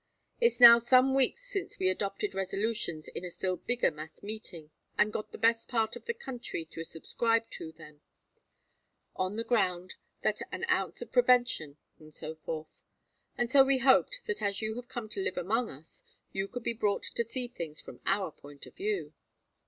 It's now some weeks since we adopted resolutions in a still bigger mass meeting and got the best part of the county to subscribe to them; on the ground that an ounce of prevention and so forth. So we just hoped that as you have come to live among us you could be brought to see things from our point of view."